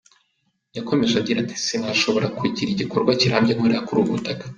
Yakomeje agira ati “Sinashoboraga kugira igikorwa kirambye nkorera kuri ubu butaka.